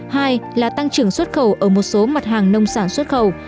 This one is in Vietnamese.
hai là tăng trưởng xuất khẩu ở một số mặt hàng nông sản xuất khẩu